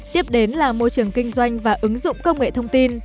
tiếp đến là môi trường kinh doanh và ứng dụng công nghệ thông tin